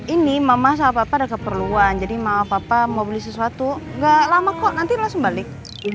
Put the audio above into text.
ini mama sama papa ada keperluan jadi maaf apa mau beli sesuatu nggak lama kok nanti langsung balik